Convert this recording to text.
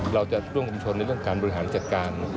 เราจะร่วมชุมชนในเรื่องการบริหารจัดการ